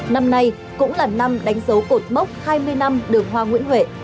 năm nay cũng là năm đánh dấu cột mốc hai mươi năm đường hoa nguyễn huệ